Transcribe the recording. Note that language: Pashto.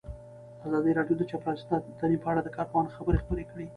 ازادي راډیو د چاپیریال ساتنه په اړه د کارپوهانو خبرې خپرې کړي.